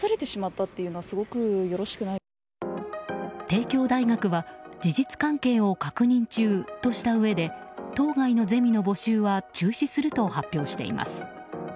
帝京大学は事実関係を確認中としたうえで当該のゼミの募集は中止すると発表しています。